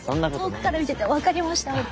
遠くから見てて分かりましたもん。